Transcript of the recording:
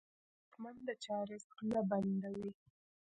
غیرتمند د چا رزق نه بندوي